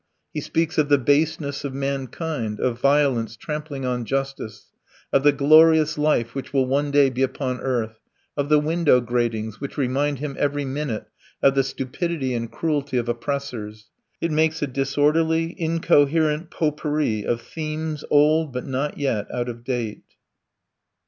He speaks of the baseness of mankind, of violence trampling on justice, of the glorious life which will one day be upon earth, of the window gratings, which remind him every minute of the stupidity and cruelty of oppressors. It makes a disorderly, incoherent potpourri of themes old but not yet out of date.